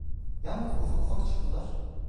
Yalnız ufak ufak çakıllar…